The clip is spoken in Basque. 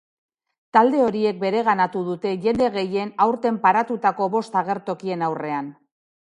Talde horiek bereganatu dute jende gehien aurten paratutako bost agertokien aurrean.